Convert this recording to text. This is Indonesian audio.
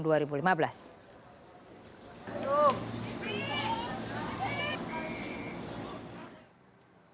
berikutnya kcj menargetkan